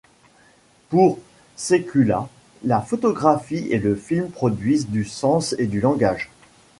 Pour Sekula, la photographie et le film produisent du sens et du langage.